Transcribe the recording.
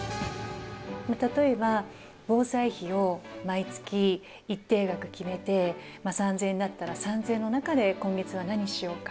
例えば防災費を毎月一定額決めてまあ３，０００円だったら３，０００円の中で今月は何しようか。